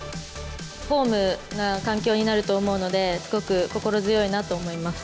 ホームな環境になると思うので、すごく心強いなと思います。